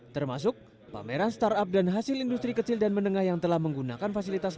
termasuk pameran startup dan hasil industri kecil dan menengah yang telah menggunakan fasilitas